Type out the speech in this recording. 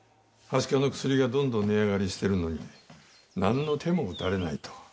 はしかの薬がどんどん値上がりしてるのになんの手も打たれないと。